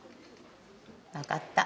分かった。